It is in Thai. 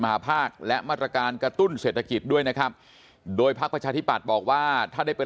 หาภาคและมาตรการกระตุ้นเศรษฐกิจด้วยนะครับโดยพักประชาธิปัตย์บอกว่าถ้าได้เป็น